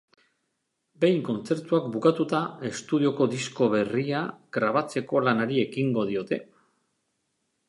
Behin kontzertuak bukatuta, estudioko disko berria grabatzeko lanari ekingo diote.